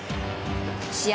試合